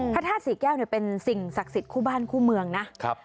พระธาตุศรีแก้วเป็นสิ่งศักดิ์สิทธิ์คู่บ้านคู่เมืองนะ